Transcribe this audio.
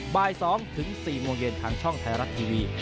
บ่าย๒ถึง๔โมงเย็นทางช่องไทยรัฐทีวี